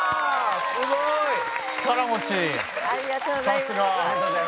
すごい！